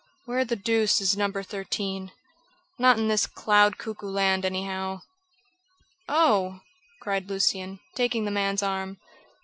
"Where the deuce is No. 13? Not in this Cloudcuckooland, anyhow." "Oh!" cried Lucian, taking the man's arm.